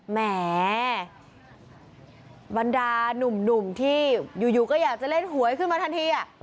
แหมบรรดานุ่มที่อยู่ก็อยากจะเล่นหวยขึ้นมาทันที